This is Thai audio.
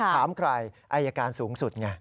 ถามใครอายการสูงสุดไง